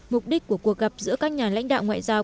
mục đích của cuộc gặp giữa các nhà lãnh đạo ngoại giao